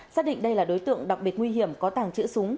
xác định đây là đối tượng đặc biệt nguy hiểm có tàng trữ súng